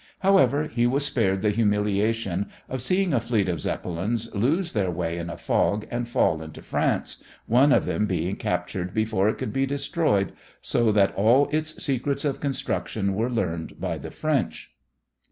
However, he was spared the humiliation of seeing a fleet of Zeppelins lose their way in a fog and fall into France, one of them being captured before it could be destroyed, so that all its secrets of construction were learned by the French.